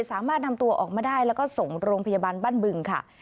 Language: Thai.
สามารถนำตัวออกมาได้แล้วก็ส่งโรงพยาบาลบ้านบึงค่ะ